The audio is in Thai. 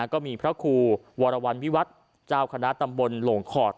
ก็มีพระครูวรวรรณวิวัตรเจ้าคณะตำบลหลงขอด